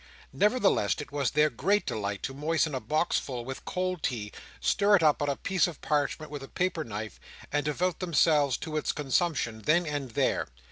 Nevertheless it was their great delight to moisten a box full with cold tea, stir it up on a piece of parchment with a paper knife, and devote themselves to its consumption then and there.